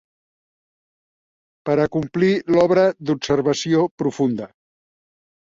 ...per a complir l'obra d'observació profunda.